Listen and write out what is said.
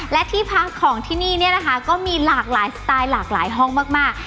และที่พักของที่นี่เนี่ยนะคะก็มีหลากหลายสไตล์หลากหลายห้องมาก